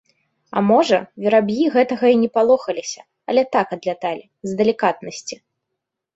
А можа, вераб'і гэтага і не палохаліся, але так адляталі, з далікатнасці.